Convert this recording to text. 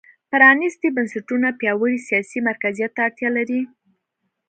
پرانېستي بنسټونه پیاوړي سیاسي مرکزیت ته اړتیا لري.